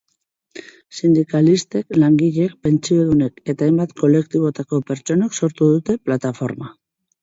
Sindikalistek, langileek, pentsiodunek eta hainbat kolektibotako pertsonek sortu dute plataforma.